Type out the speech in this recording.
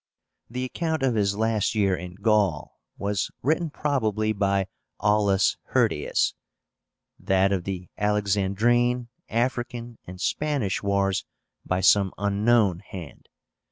The account of his last year in Gaul was written probably by Aulus Hirtius; that of the Alexandrine, African, and Spanish wars, by some unknown hand.